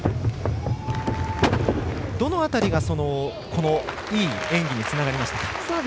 どの辺りが、いい演技につながりましたか？